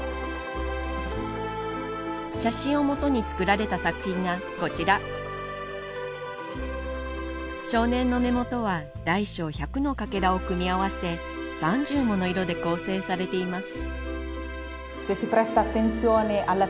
写真を基に作られた作品がこちら少年の目元は大小１００のかけらを組み合わせ３０もの色で構成されています